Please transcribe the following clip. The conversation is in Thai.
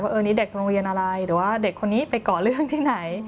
เออนี่เด็กโรงเรียนอะไรหรือว่าเด็กคนนี้ไปก่อเรื่องที่ไหน